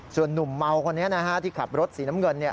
ส่วนหนุ่มเมาคนนี้ที่ขับรถสีน้ำเงิน